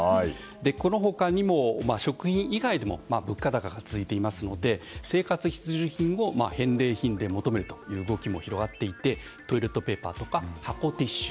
この他にも食品以外でも物価高が続いていますので生活必需品を返礼品で求めるという動きも広がっていてトイレットペーパーとか箱ティッシュ